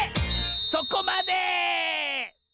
そこまで！